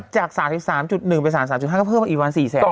จาก๓๓๑ไป๓๓๕ก็เพิ่มไปอีกว่า๔๐๐๐๐๐คน